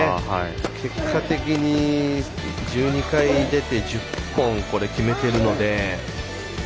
結果的に、１２回出て１０本、決めているので。